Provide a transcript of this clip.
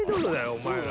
お前ら。